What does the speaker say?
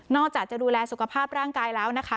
จะดูแลสุขภาพร่างกายแล้วนะคะ